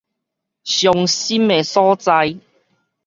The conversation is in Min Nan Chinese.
傷心的所在